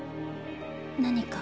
何か？